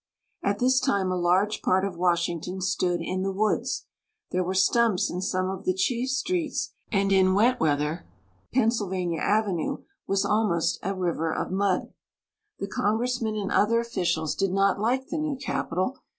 At this time a large part of Washington stood s;i the woods. There were stumps in some of the chief streets, and in wet weather Pennsylvania Avenue was almost a OUR NATIONAL CAPITAL. 19 river of mud. The congressmen and other officials did not like the new capital.